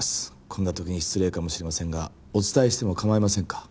こんな時に失礼かもしれませんがお伝えしてもかまいませんか？